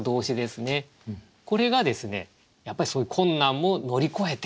これがやっぱりそういう困難も乗り越えて